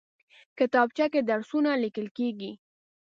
کتابچه کې درسونه لیکل کېږي